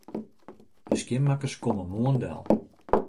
De skjinmakkers komme moarn del.